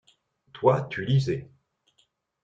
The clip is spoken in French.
Toi, tu lisais.